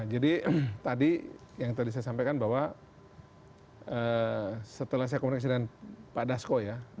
jadi tadi yang tadi saya sampaikan bahwa setelah saya komunikasi dengan pak dasko ya